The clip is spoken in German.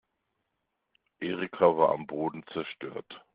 Erika war am Boden zerstört.